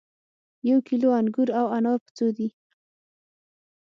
یو کیلو انګور او انار په څو دي